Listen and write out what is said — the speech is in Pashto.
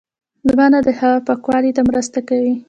• ونه د هوا پاکوالي ته مرسته کوي.